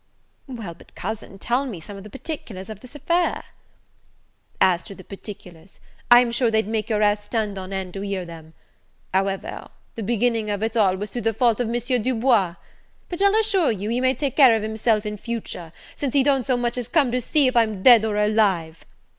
"Well, but cousin, tell me some of the particulars of this affair." "As to the particulars, I'm sure they'd make your hair stand on end to hear them; however, the beginning of it all was through the fault of M. Du Bois: but, I'll assure you, he may take care of himself in future, since he don't so much as come to see if I'm dead or alive.